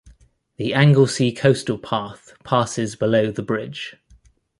The Anglesey Coastal Path passes below the bridge.